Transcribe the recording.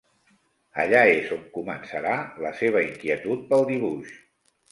Allà és on començarà la seva inquietud pel dibuix.